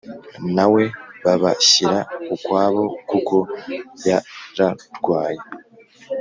na we babashyira ukwabo kuko yararwaye